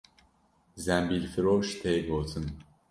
Zembîlfiroş tê gotin